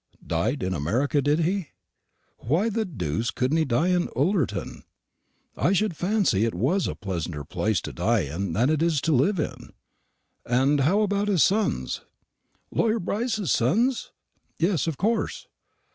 "Died in America, did he? Why the deuce couldn't he die in Ullerton? I should fancy it was a pleasanter place to die in than it is to live in. And how about his sons?" "Lawyer Brice's sons?" "Yes, of course."